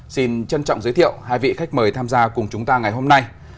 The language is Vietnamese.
xin trân trọng giới thiệu hai vị khách mời tham gia cùng chúng ta ngày hôm nay